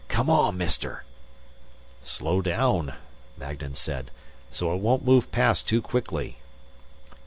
"Come on, Mister!" "Slow down," Magnan said. "So it won't move past too quickly."